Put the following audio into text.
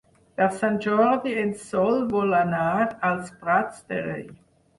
Per Sant Jordi en Sol vol anar als Prats de Rei.